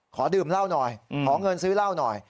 ขอดื่มเหล้าหน่อยขอเงินซื้อเหล้าหน่อย